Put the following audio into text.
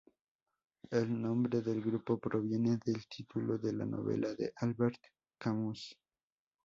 El nombre del grupo proviene del título de una novela de Albert Camus.